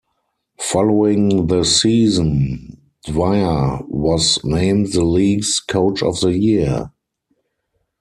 Following the season, Dwyer was named the league's coach of the year.